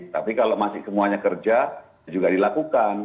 tapi kalau masih semuanya kerja juga dilakukan